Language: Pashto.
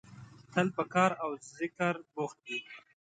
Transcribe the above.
تل په کار او ذکر بوخت وي.